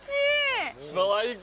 最高。